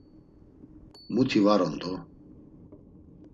Muti var on do!